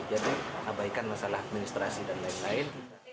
jadi abaikan masalah administrasi dan lain lain